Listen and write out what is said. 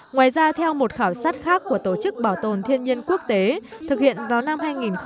ngoài ra theo một khảo sát khác của tổ chức bảo tồn thiên nhiên quốc tế thực hiện vào năm hai nghìn một mươi